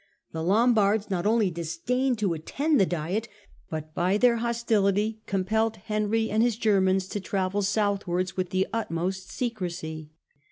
The Lombards not only disdained to attend the Diet, but by their hostility compelled Henry and his Germans to travel southwards with the utmost secrecy.